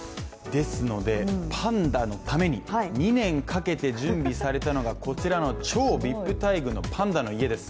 ですので、パンダのために２年かけて準備されたのが、こちらの超ＶＩＰ待遇のパンダの家です。